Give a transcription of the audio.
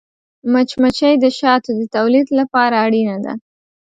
مچمچۍ د شاتو د تولید لپاره اړینه ده